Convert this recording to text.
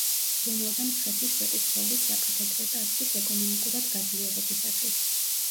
ზრუნავდა მცხეთის სვეტიცხოვლის საკათედრო ტაძრის ეკონომიკურად გაძლიერებისათვის.